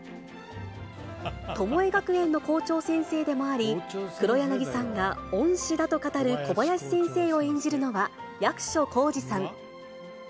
トモエ学園の校長先生でもあり、黒柳さんが恩師だと語る小林先生を演じるのは、役所広司さん。